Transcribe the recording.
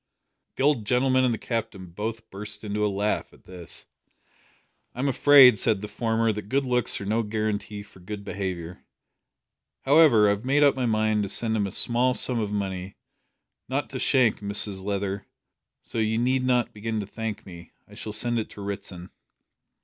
The old gentleman and the Captain both burst into a laugh at this. "I'm afraid," said the former, "that good looks are no guarantee for good behaviour. However, I have made up my mind to send him a small sum of money not to Shank, Mrs Leather, so you need not begin to thank me. I shall send it to Ritson."